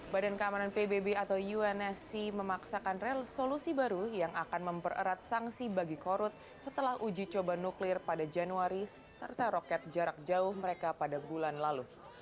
badan keamanan pbb atau unsc memaksakan resolusi baru yang akan mempererat sanksi bagi korut setelah uji coba nuklir pada januari serta roket jarak jauh mereka pada bulan lalu